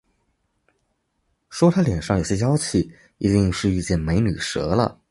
说他脸上有些妖气，一定遇见“美女蛇”了